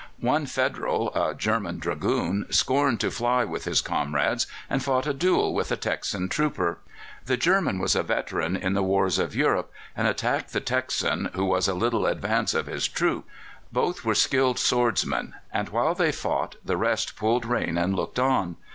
One Federal a German Dragoon scorned to fly with his comrades, and fought a duel with a Texan trooper. The German was a veteran in the wars of Europe, and attacked the Texan, who was a little in advance of his troop. Both were skilled swordsmen, and while they fought the rest pulled rein and looked on.